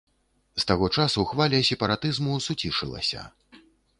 З таго часу хваля сепаратызму суцішылася.